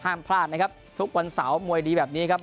ห้ามพลาดนะครับทุกวันเสาร์มวยดีแบบนี้ครับ